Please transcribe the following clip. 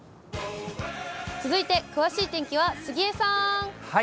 続いて、詳しい天気は杉江さん。